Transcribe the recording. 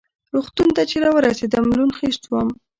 روغتون ته چې را ورسېدم لوند خېشت وم.